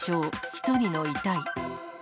１人の遺体。